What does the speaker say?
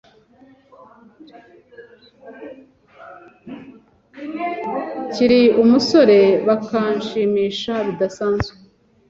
nkiri umusore bakanshimisha bidasanzwe